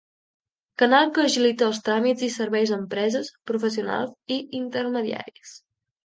Canal que agilita els tràmits i serveis a empreses, professionals i intermediaris.